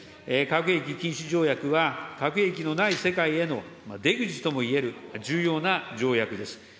核兵器禁止条約は、核兵器のない世界への出口ともいえる重要な条約です。